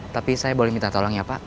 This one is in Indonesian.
tapi saya boleh minta tolong ya pak